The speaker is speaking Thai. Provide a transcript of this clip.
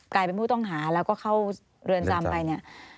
กลายเป็นผู้ต้องหาแล้วก็เข้าเรือนจำไปเนี่ย